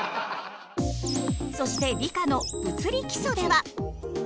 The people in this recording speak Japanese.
そして理科の「物理基礎」では。